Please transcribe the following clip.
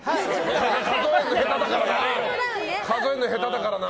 数えるの下手だからな。